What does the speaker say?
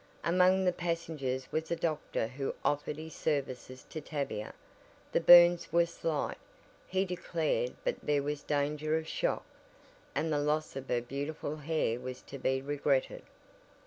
Among the passengers was a doctor who offered his services to Tavia. The burns were slight, he declared but there was danger of shock, and the loss of her beautiful hair was to be regretted.